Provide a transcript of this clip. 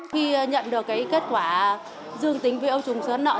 khi nhận được kết quả dương tính với ô trùng sán lợn